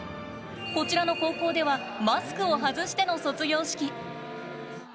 こちらの高校ではマスクを外しての卒業式。